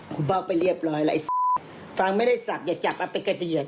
คุณเป้าไปเรียบร้อยแล้วฟังไม่ได้สักอย่าจับเอาไปกระเดือด